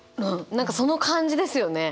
その感じですよね。